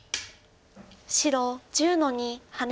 白１０の二ハネ。